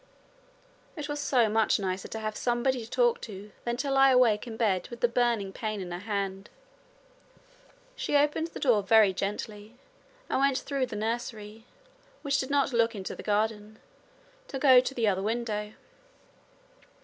It was so much nicer to have somebody to talk to than to lie awake in bed with the burning pain in her hand. She opened the door very gently and went through the nursery, which did not look into the garden, to go to the other window.